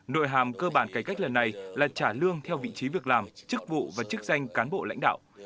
nội hàm cơ bản cải cách lần này là trả lương theo vị trí việc làm chức vụ và chức danh cán bộ lãnh đạo